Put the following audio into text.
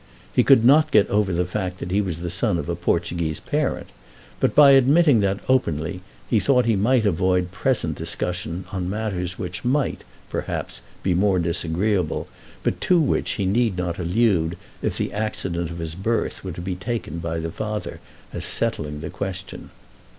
He could not get over the fact that he was the son of a Portuguese parent, but by admitting that openly he thought he might avoid present discussion on matters which might, perhaps, be more disagreeable, but to which he need not allude if the accident of his birth were to be taken by the father as settling the question.